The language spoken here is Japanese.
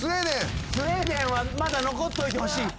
スウェーデンはまだ残っといてほしい。